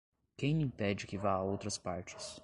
Quem lhe impede que vá a outras partes?